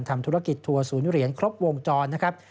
ทำธุรกิจทัวร์ศูนย์เหรียญครบวงจรนะครับ